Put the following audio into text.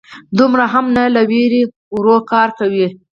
_دومره هم نه، له وېرې ورو کار کوي.